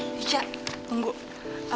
karena selalu beautiful untuk nita